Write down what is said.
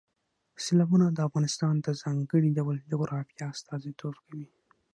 سیلابونه د افغانستان د ځانګړي ډول جغرافیه استازیتوب کوي.